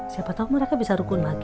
siapa tahu mereka bisa rukun lagi